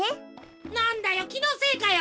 なんだよきのせいかよ